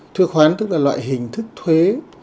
thuế khoán tức là loại hình thức thuế